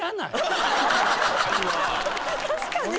確かに！